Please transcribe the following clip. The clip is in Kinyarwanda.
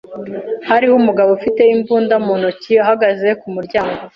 Hariho umugabo ufite imbunda mu ntoki ahagaze ku muryango.